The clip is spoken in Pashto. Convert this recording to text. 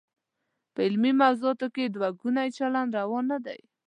په علمي موضوعاتو کې دوه ګونی چلند روا نه دی.